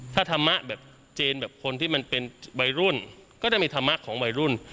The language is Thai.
ถ้าธรรมะแบบเจนแบบคนที่มันเป็นวัยรุ่นก็จะมีธรรมะของวัยรุ่น